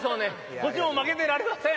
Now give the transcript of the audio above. こちらも負けてられません。